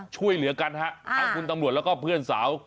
ช่วยเหลือกันฮะทั้งคุณตำรวจแล้วก็เพื่อนสาว